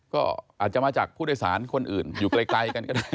ก็อาจจะมาจากผู้โดยสารคนอื่นอยู่ไกลกันก็ได้